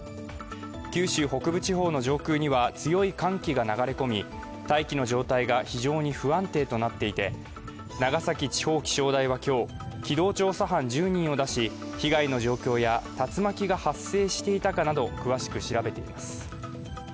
九州北部地方の上空には強い寒気が流れ込み大気の状態が非常に不安定となっていて、長崎地方気象台は今日、機動調査班１０人を出し、被害の状況や竜巻が発生していたかなど詳しく調べています。